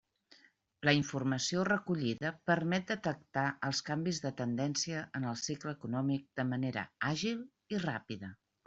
La informació recollida permet detectar els canvis de tendència en el cicle econòmic de manera àgil i ràpida.